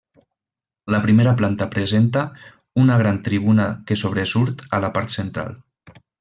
La primera planta presenta una gran tribuna que sobresurt a la part central.